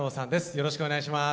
よろしくお願いします。